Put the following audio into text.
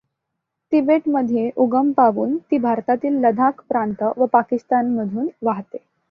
तिबेटमध्ये उगम पावून ती भारतातील लदाख प्रांत व पाकिस्तानमधून वाहते.